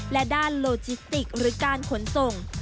และด้านโลจิสติกหรือการขนส่ง